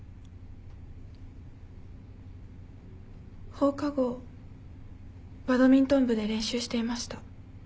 放課後バドミントン部で練習していました。